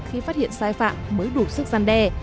khi phát hiện sai phạm mới đủ sức gian đe